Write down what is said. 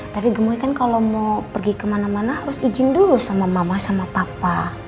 tapi gemuk kan kalau mau pergi kemana mana harus izin dulu sama mama sama papa